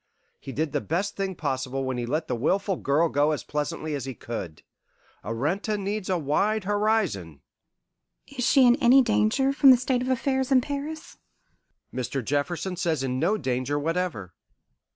He did the best thing possible when he let the wilful girl go as pleasantly as he could. Arenta needs a wide horizon." "Is she in any danger from the state of affairs in Paris?" "Mr. Jefferson says in no danger whatever.